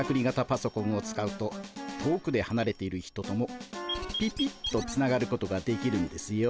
パソコンを使うと遠くではなれている人ともピピッとつながることができるんですよ。